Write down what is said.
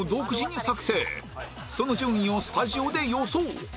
その順位をスタジオで予想